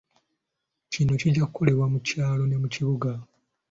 Kino kijja kukolebwa mu kyalo ne mu kibuga.